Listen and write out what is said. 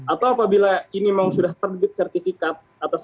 atau apabila ini memang sudah terbit sertifikat